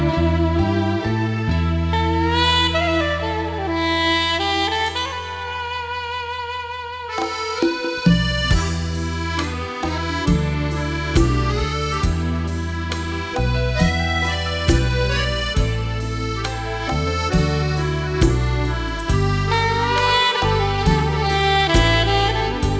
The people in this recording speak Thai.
เหมือนกดติดตามต่อไป